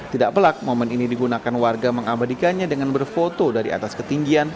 tidak pelak momen ini digunakan warga mengabadikannya dengan berfoto dari atas ketinggian